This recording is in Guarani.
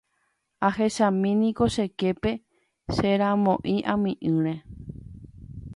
Ahechamíniko che képe che ramói amyrỹime.